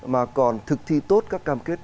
mà còn thực thi tốt các cam kết